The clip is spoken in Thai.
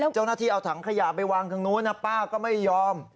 เจ้าหน้าที่เอาถังขยะไปวางทางนู้นนะป้าก็ไม่ยอม